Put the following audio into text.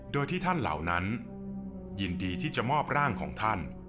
โดยที่ท่านเหล่านั้นยินดีที่จะมอบร่างของท่าน